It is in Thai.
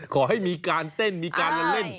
ขอให้มีการเต้นมีการเล่น